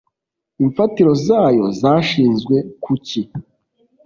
imfatiro zayo zashinzwe ku ki’